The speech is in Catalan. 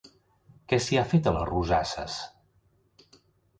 Què s'hi ha fet a les rosasses?